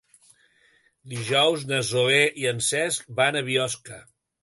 Dijous na Zoè i en Cesc van a Biosca.